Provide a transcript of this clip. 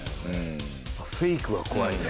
フェイクは怖いね。